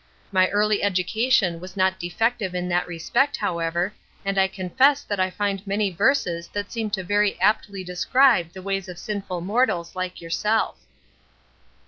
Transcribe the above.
My early education was not defective in that respect, however, and I confess that I find many verses that seem to very aptly describe the ways of sinful mortals like yourself."